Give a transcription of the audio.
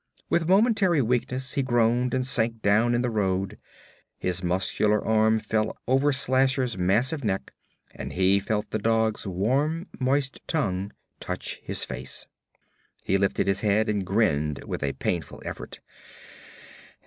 With momentary weakness he groaned and sank down in the road; his muscular arm fell over Slasher's massive neck and he felt the dog's warm moist tongue touch his face. He lifted his head and grinned with a painful effort.